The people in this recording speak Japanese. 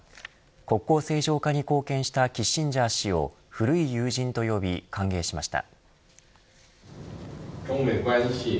国交正常化に貢献したキッシンジャー氏を古い友人と呼び歓迎しました。